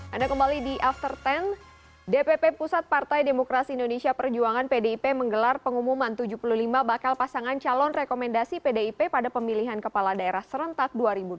anda kembali di after sepuluh dpp pusat partai demokrasi indonesia perjuangan pdip menggelar pengumuman tujuh puluh lima bakal pasangan calon rekomendasi pdip pada pemilihan kepala daerah serentak dua ribu dua puluh